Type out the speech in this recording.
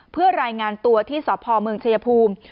เพื่อรายงานตัวที่สพเมืองชายภูมิ